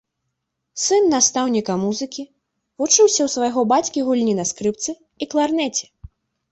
Сын настаўніка музыкі, вучыўся ў свайго бацькі гульні на скрыпцы і кларнеце.